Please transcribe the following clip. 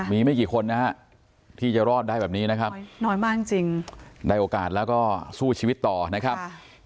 มีไม่กี่คนที่จะรอดได้แบบนี้นะครับได้โอกาสแล้วก็สู้ชีวิตต่อนะครับ